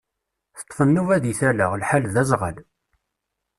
Teṭṭef nnuba deg tala, lḥal d azɣal.